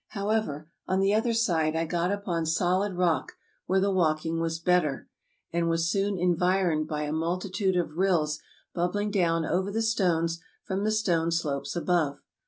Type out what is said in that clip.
However, on the other side I got upon solid rock, where the walking was better, and was soon environed by a multi tude of rills bubbling down over the stones from the stone slopes above.